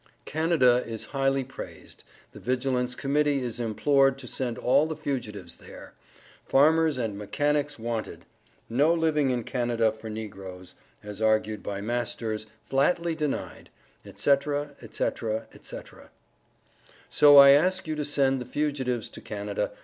Canada is highly praised The Vigilance Committee is implored to send all the Fugitives there "Farmers and Mechanics wanted" "No living in Canada for Negroes," as argued by "Masters," flatly denied, &c., &c., &c. So I ask you to send the fugitives to Canada.